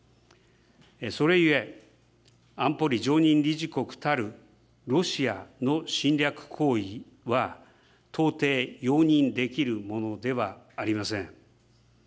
それゆえ、安保理常任理事国たるロシアの侵略行為は、到底容認できるものではありません。